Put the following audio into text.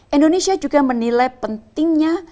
indonesia juga menilai pentingnya